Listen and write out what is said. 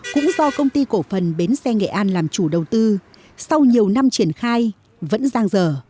cũng do công ty cổ phần bến xe nghệ an làm chủ đầu tư sau nhiều năm triển khai vẫn giang dở